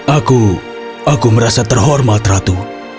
aku aku merasa terhormat ratu